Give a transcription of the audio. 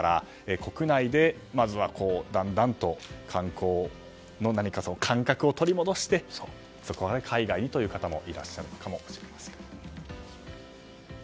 国内でまずは、だんだんと観光の感覚を取り戻して海外にという方もいらっしゃるかもしれません。